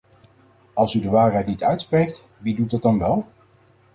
Als u de waarheid niet uitspreekt, wie doet dat dan wel?